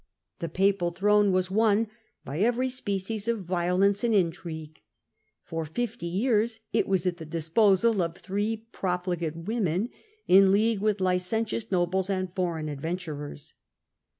The papal throne was won by every species of violence and intrigue. For fi% years it was at the disposal of three profligate women, in league with licentious nobles and foreign ad venturers.